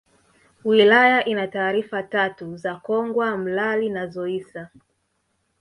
Wilaya ina Tarafa tatu za Kongwa Mlali na Zoissa